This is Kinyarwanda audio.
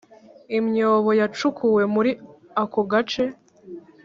imyobo yacukuwe muri ako gace